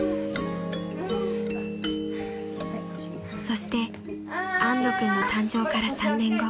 ［そして安土君の誕生から３年後］